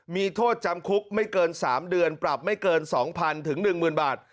มีโทษจำคุกไม่เกิน๓เดือนปรับไม่เกิน๒๐๐๐๑๐๐บาท